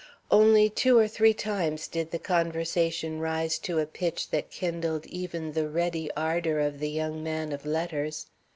Only two or three times did the conversation rise to a pitch that kindled even the ready ardor of the young man of letters.